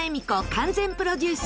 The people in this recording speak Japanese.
完全プロデュース